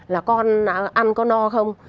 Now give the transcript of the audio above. là con ăn có no không